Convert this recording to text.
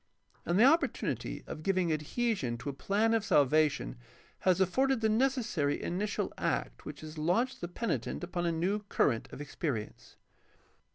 And the opportunity of giving adhesion to a plan of salvation has afforded the necessary initial act which has launched the penitent upon a new current of experience.